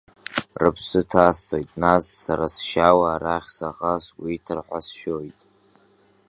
Рыԥсы ҭасҵоит, нас, сара сшьала, арахь саӷа сгәеиҭар ҳәа сшәоит.